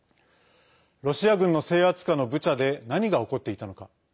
ロシア軍の制圧下のブチャで何が起こっていたのか。